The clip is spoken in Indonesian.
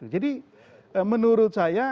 jadi menurut saya